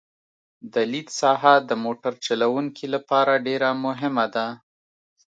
د لید ساحه د موټر چلوونکي لپاره ډېره مهمه ده